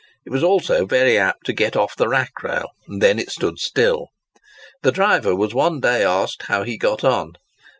It was also very apt to get off the rack rail, and then it stood still. The driver was one day asked how he got on?